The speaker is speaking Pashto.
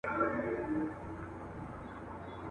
نه خبره یې پر باز باندي اثر کړي.